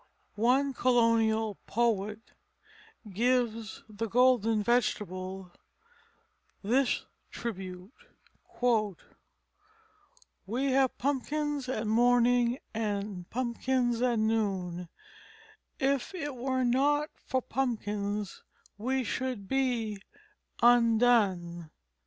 One colonial poet gives the golden vegetable this tribute: "We have pumpkins at morning and pumpkins at noon, If it were not for pumpkins we should be undone."